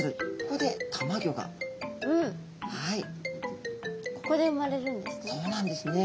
ここで生まれるんですね。